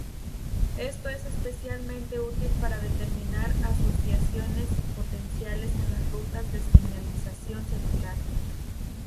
Esto es especialmente útil para determinar asociaciones potenciales en las rutas de señalización celular.